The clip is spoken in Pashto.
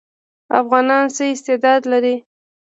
افغانان څه استعداد لري؟